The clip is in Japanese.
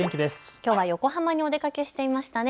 きょうは横浜にお出かけしていましたね。